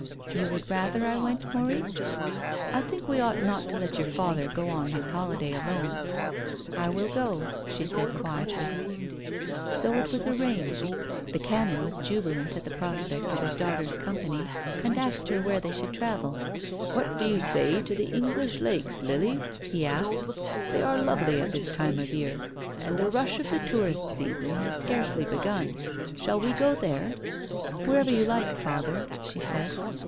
'* You would rather I went, Maurice? "" I think we ought not to let your father go on his holiday alone." *' I will go," she said quietly. THE LIVING CHILD. 243 So it was arranged. The Canon was jubilant at the prospect of his daughter's company, and asked her where they should travel. " What do you say to the English Lakes, Lily ?" he asked, "they are lovely at this time of year, and the rush of the tourist season has scarcely begun. Shall we go there ?"" Wherever you like, father," she said.